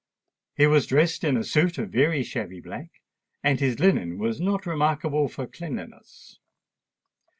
He was dressed in a suit of very shabby black; and his linen was not remarkable for cleanliness.